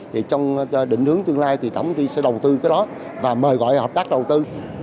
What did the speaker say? trong định hướng tương lai thì tổng tiên sẽ đầu tư cái đó và mời gọi hợp tác đầu tư